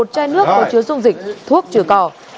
một chai nước có chứa dung dịch thuốc trừ cỏ